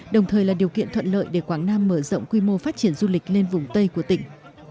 đồng thời là điều kiện thuận lợi để quảng nam mở rộng quy mô phát triển du lịch lên vùng tây của tỉnh